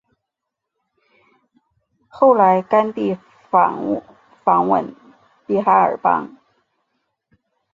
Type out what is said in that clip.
后来甘地访问比哈尔邦。